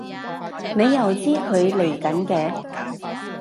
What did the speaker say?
你又知佢嚟緊嘅？